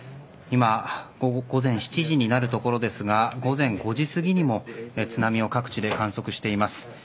今、午前７時になるところですが午前５時すぎにも津波を各地で観測しています。